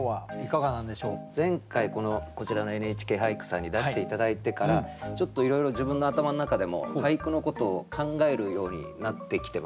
前回こちらの「ＮＨＫ俳句」さんに出して頂いてからちょっといろいろ自分の頭の中でも俳句のことを考えるようになってきてまして。